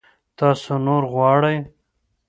تاسو نور غواړئ؟